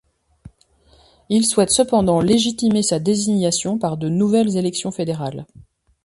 Il souhaite cependant légitimer sa désignation par de nouvelles élections fédérales.